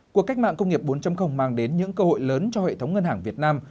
cuộc cách mạng công nghiệp bốn mang đến những cơ hội lớn cho hệ thống ngân hàng việt nam